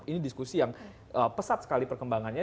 ini diskusi yang pesat sekali perkembangannya